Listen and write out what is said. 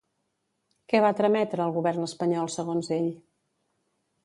Què va trametre el govern espanyol segons ell?